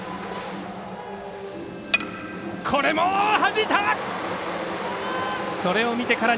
これも、はじいた！